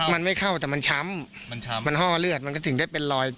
มันไม่เข้าแต่มันช้ำมันช้ำมันห้อเลือดมันก็ถึงได้เป็นรอย